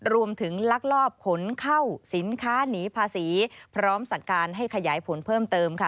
ลักลอบขนเข้าสินค้าหนีภาษีพร้อมสั่งการให้ขยายผลเพิ่มเติมค่ะ